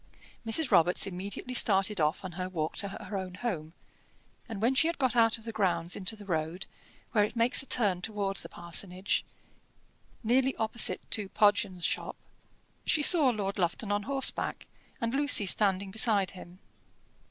Mrs. Robarts immediately started off on her walk to her own home, and when she had got out of the grounds into the road, where it makes a turn towards the parsonage, nearly opposite to Podgens' shop, she saw Lord Lufton on horseback, and Lucy standing beside him.